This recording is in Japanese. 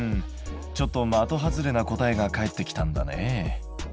ちょっと的外れな答えが返ってきたんだね。